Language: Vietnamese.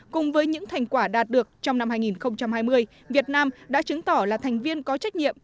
cùng với những thành quả đạt được trong năm hai nghìn hai mươi việt nam đã chứng tỏ là thành viên có trách nhiệm